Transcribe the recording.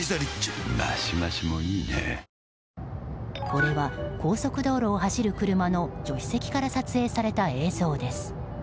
これは、高速道路を走る車の助手席から撮影された映像です。